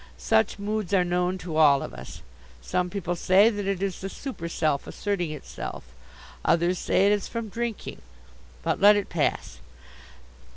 Such moods are known to all of us. Some people say that it is the super self asserting itself. Others say it is from drinking. But let it pass.